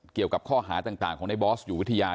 เกี่ยวกับข้อหาต่างของในบอสอยู่วิทยา